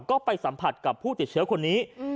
ก็ไปสัมผัสกับผู้ติดเชื้อคนนี้